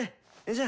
じゃ。